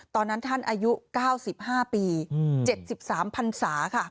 ตอนนั้นท่านอายุ๙๕ปี๗๓พันศาค่ะ